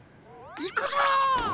いくぞ！